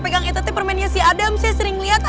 kamu tunggu sini aja